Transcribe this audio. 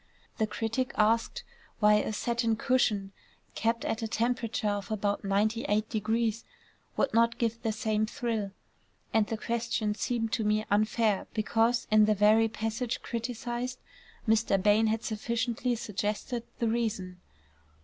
The critic asked why a satin cushion kept at a temperature of about 98° would not give the same thrill; and the question seemed to me unfair because, in the very passage criticised, Mr. Bain had sufficiently suggested the reason.